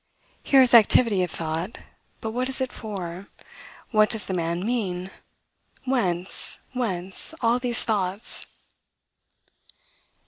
Here is activity of thought; but what is it for? What does the man mean? Whence, whence, all these thoughts?